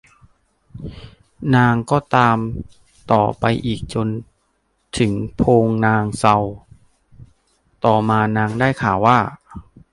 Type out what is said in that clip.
นางก็ตามต่อไปอีกจนถึงโพนางเซาต่อมานางได้ข่าวว่า